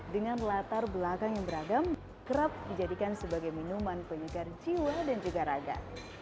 dengan latar belakang yang beragam kerap dijadikan sebagai minuman penyegar jiwa dan juga raga